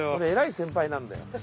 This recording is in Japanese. えらい先輩なんだよ。